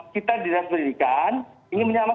kita di rakyat pendidikan ingin menyelamat